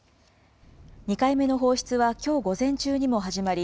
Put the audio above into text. ２回目の放出はきょう午前中にも始まり、